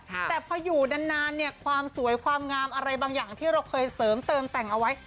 แต่พออยู่นานเนี่ยความสวยความงามอะไรบางอย่างที่เราเคยเสริมเติมแต่งเอาไว้